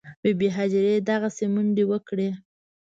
بي بي هاجرې دغسې منډې وکړې.